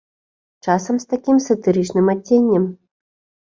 Часам з такім сатырычным адценнем.